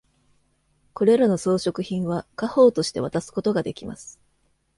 これらの装飾品は家宝として渡すことができます。